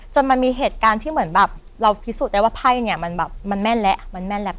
มันมีเหตุการณ์ที่เหมือนแบบเราพิสูจน์ได้ว่าไพ่เนี่ยมันแบบมันแม่นแล้วมันแม่นแล้ว